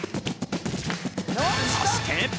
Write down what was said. そして。